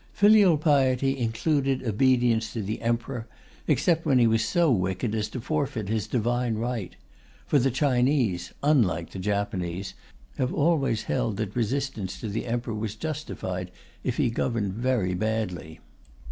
Filial piety included obedience to the Emperor, except when he was so wicked as to forfeit his divine right for the Chinese, unlike the Japanese, have always held that resistance to the Emperor was justified if he governed very badly.